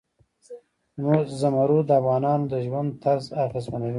زمرد د افغانانو د ژوند طرز اغېزمنوي.